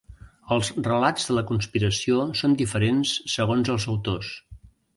Els relats de la conspiració són diferents segons els autors.